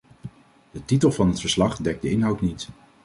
De titel van het verslag dekt de inhoud niet.